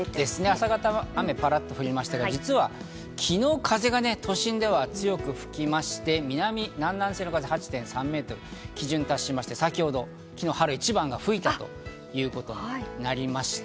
朝方、パラっと雨が降りましたが、実は昨日、風が都心で強く吹きまして、南南西の風８．３メートル、先ほど、昨日、春一番が吹いたということになりました。